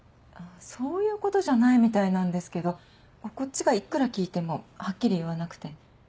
そういうことじゃないみたいなんですけどこっちがいくら聞いてもはっきり言わなくて。